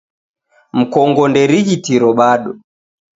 Mkongo nderighitiro bado.